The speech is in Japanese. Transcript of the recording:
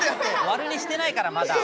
割る２してないからまだ。